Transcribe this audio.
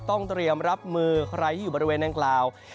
ต้องเตรียมรับมือใครที่อยู่บริเวณดังกล่าว